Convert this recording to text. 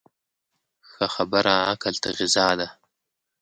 ښه خبره عقل ته غذا ده.